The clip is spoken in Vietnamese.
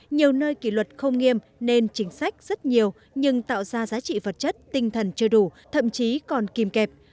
nhiều nơi kỷ luật không nghiêm nên chính sách rất nhiều nhưng tạo ra giá trị vật chất tinh thần chưa đủ thậm chí còn kìm kẹp